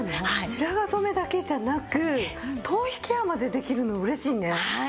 白髪染めだけじゃなく頭皮ケアまでできるの嬉しいね。